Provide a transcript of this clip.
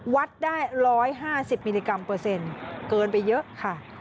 วัดได้๑๕๐มิลลิกรัมเปอร์เซ็นต์เกินไปเยอะค่ะ